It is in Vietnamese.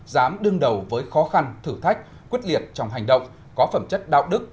dám đương đầu với khó khăn thử thách quyết liệt trong hành động có phẩm chất đạo đức